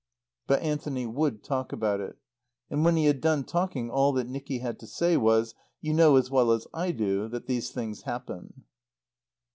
But Anthony would talk about it. And when he had done talking all that Nicky had to say was: "You know as well as I do that these things happen."